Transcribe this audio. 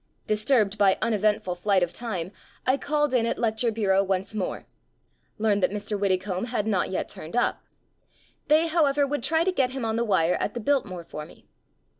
Dis turbed by uneventful flight of time, called in at lecture bureau once more. Learned that Mr. Widdecombe had not yet turned up. They, however, would try to get him on the wire at the Bilt more for me.